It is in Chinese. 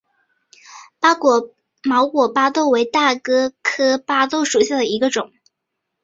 毛果巴豆为大戟科巴豆属下的一个种。